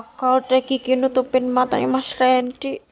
kakau deh kiki nutupin matanya mas reyndy